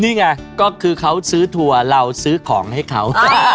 นี่ไงก็คือเค้าซื่อตัวเราซื้อของให้เค้า